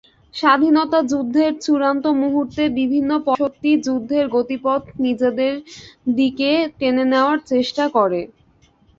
স্বাধীনতাযুদ্ধের চূড়ান্ত মুহূর্তে বিভিন্ন পরাশক্তি যুদ্ধের গতিপথ নিজেদের দিকে টেনে নেওয়ার চেষ্টা করে।